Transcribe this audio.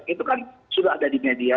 itu kan sudah ada di media